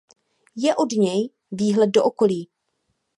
Je od něj výhled do okolí.